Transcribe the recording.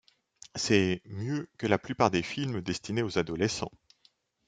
C'est mieux que la plupart des films destinés aux adolescents.